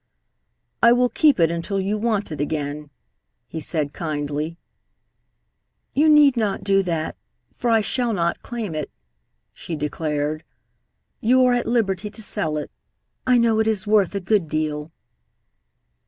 "I will keep it until you want it again," he said kindly. "You need not do that, for I shall not claim it," she declared. "You are at liberty to sell it. I know it is worth a good deal."